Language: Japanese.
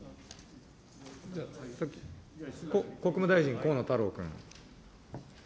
国務大臣、河野太郎君。